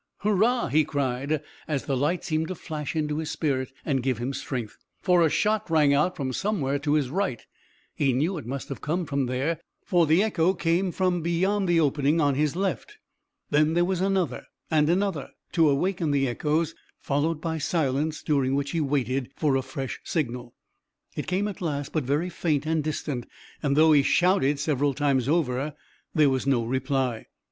"Hurrah!" he cried, as the light seemed to flash into his spirit and give him strength, for a shot rang out from somewhere to his right. He knew it must come from there, for the echo came from beyond the opening on his left. Then there was another, and another, to awaken the echoes, followed by silence, during which he waited for a fresh signal. It came at last, but very faint and distant, and though he shouted several times over, there was no reply.